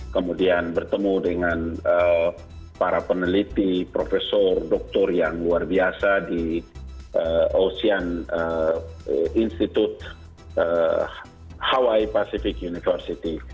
kemudian bertemu dengan para peneliti profesor doktor yang luar biasa di ocean institute hawaii pacific university